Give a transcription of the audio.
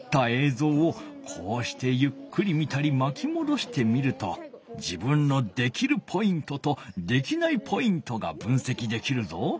ぞうをこうしてゆっくり見たりまきもどして見ると自分のできるポイントとできないポイントが分せきできるぞ。